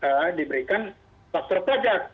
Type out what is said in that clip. terjadi diberikan faktor pajak